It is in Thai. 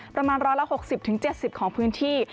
ประมาณร้อยละ๖๐๗๐ของพื้นที่